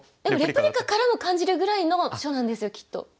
でもレプリカからも感じるぐらいの書なんですよきっと。